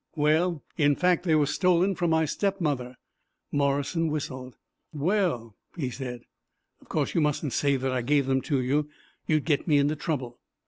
"Well in fact, they were stolen from my stepmother." Morrison whistled. "Well," he said. "Of course you mustn't say that I gave them to you. You would get me into trouble."